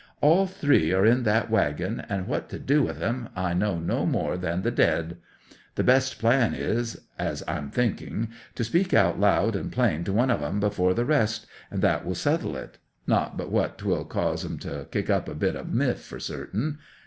All three are in that waggon, and what to do with 'em I know no more than the dead! The best plan is, as I'm thinking, to speak out loud and plain to one of 'em before the rest, and that will settle it; not but what 'twill cause 'em to kick up a bit of a miff, for certain.